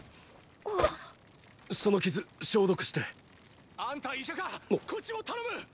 その傷消毒して。あんた医者か⁉こっちも頼む！！